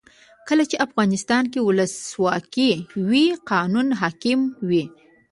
کله چې افغانستان کې ولسواکي وي قانون حاکم وي.